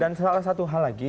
dan salah satu hal lagi